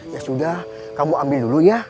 ya sudah kamu ambil dulu ya